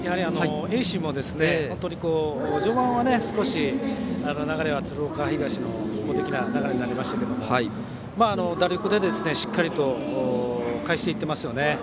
盈進も本当に序盤は少し、流れは鶴岡東の一方的な流れになりましたけど打力でしっかり返していますね。